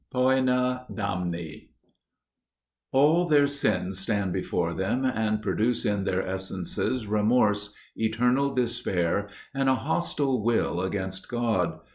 Poena Damni "All their sins stand before them, and produce in their essences remorse, eternal despair and a hostile will against God.